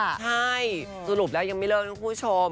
ใช่สรุปแล้วยังไม่เลิกนะคุณผู้ชม